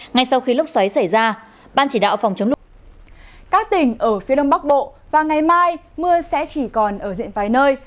ngay sau khi lốc xoáy xảy ra ban chỉ đạo phòng chống các tỉnh ở phía đông bắc bộ và ngày mai mưa sẽ chỉ còn ở diện vài nơi